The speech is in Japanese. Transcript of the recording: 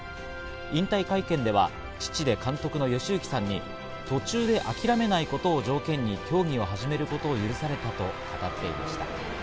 引退会見では父で監督の義行さんに途中で諦めないことを条件に競技を始めることを許されたと語ってきました。